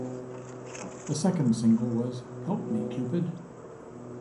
The second single was "Help Me Cupid".